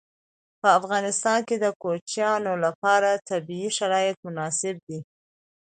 په افغانستان کې د کوچیانو لپاره طبیعي شرایط مناسب دي.